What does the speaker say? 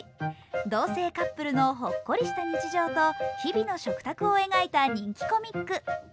同性カップルのほっこりした日常と日々の食卓を描いた人気コミック。